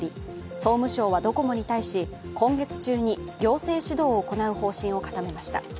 総務省はドコモに対し、今月中に行政指導を行う方針を固めました。